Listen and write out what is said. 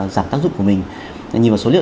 giảm tác dụng của mình nhìn vào số liệu